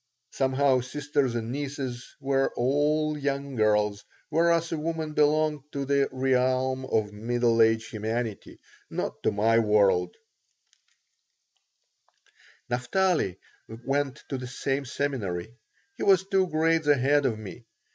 Somehow sisters and nieces were all young girls, whereas a woman belonged to the realm of middle aged humanity, not to my world Naphtali went to the same seminary. He was two grades ahead of me.